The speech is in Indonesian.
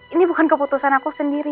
ini bukan keputusan aku sendiri